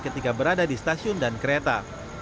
ketika berada di stasiun dan kereta